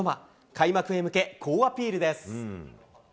開幕へ向け、好アピールです。